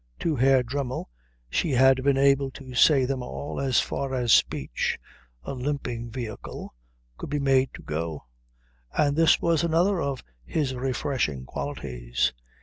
To Herr Dremmel she had been able to say them all as far as speech, a limping vehicle, could be made to go, and this was another of his refreshing qualities.